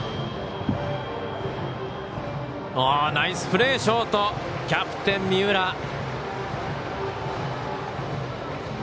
ナイスプレー、ショートキャプテン、三浦。